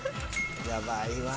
やばいわ！